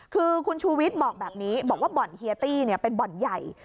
คือคุณชูวิทย์บอกแบบนี้บอกว่าบ่อนเฮียตี้เป็นบ่อนใหญ่